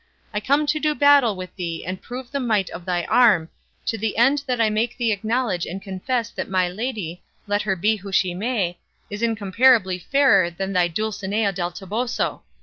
I come to do battle with thee and prove the might of thy arm, to the end that I make thee acknowledge and confess that my lady, let her be who she may, is incomparably fairer than thy Dulcinea del Toboso.